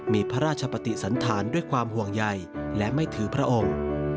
มีพระราชปฏิสันธารด้วยความห่วงใหญ่และไม่ถือพระองค์